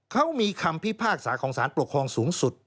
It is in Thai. เขามีคำพิพากษาของสารปกครองสูงสุด